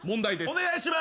お願いします。